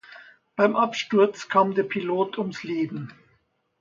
Beim Absturz kam der Pilot ums Leben.